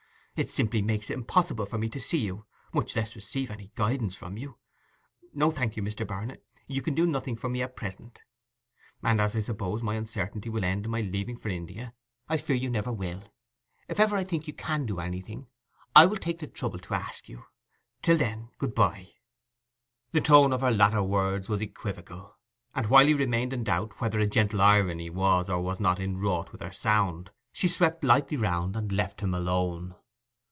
'It simply makes it impossible for me to see you, much less receive any guidance from you. No, thank you, Mr. Barnet; you can do nothing for me at present; and as I suppose my uncertainty will end in my leaving for India, I fear you never will. If ever I think you can do anything, I will take the trouble to ask you. Till then, good bye.' The tone of her latter words was equivocal, and while he remained in doubt whether a gentle irony was or was not inwrought with their sound, she swept lightly round and left him alone.